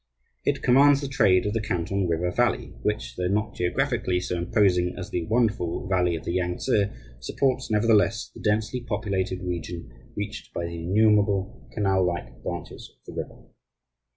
It commands the trade of the Canton River Valley, which, though not geographically so imposing as the wonderful valley of the Yangtse, supports, nevertheless, the densely populated region reached by the innumerable canal like branches of the river.